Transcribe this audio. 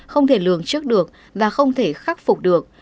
không thể lường trước được và không thể khắc phục được